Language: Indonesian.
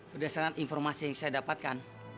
berdasarkan informasi yang saya dapatkan